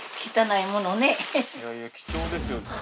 いやいや貴重ですよ。